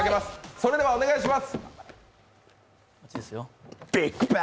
それではお願いします。